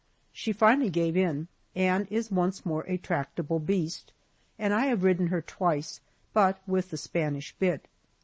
She finally gave in, and is once more a tractable beast, and I have ridden her twice, but with the Spanish bit.